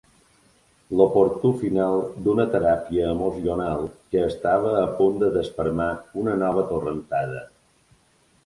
L'oportú final d'una teràpia emocional que estava a punt de desfermar una nova torrentada.